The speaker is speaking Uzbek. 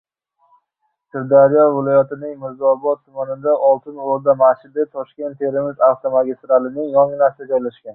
Sirdaryo viloyatining Mirzaobod tumanida “Oltin O‘rda” masjidi Toshkent-Termiz avtomagistralining yonginasida joylashgan.